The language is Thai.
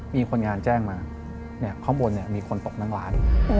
มีคนงานแจ้งมาข้างบนมีคนตกนั่งร้าน